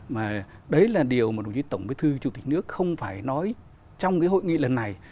mà đấy là điều mà đồng chí tổng bí thư chủ tịch nước không phải nói trong cái hội nghị lần này